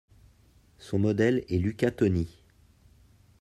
Son modèle est Luca Toni.